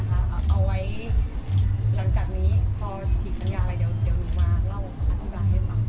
เอาไว้หลังจากนี้พอฉีกสัญญาอะไรเดี๋ยวเดี๋ยวหนูมาเล่าอันตรฐานให้ป่ะ